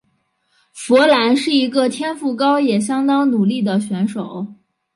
佛兰是一个天赋高也相当努力的选手。